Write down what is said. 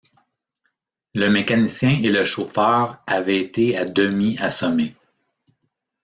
Le mécanicien et le chauffeur avaient été à demi assommés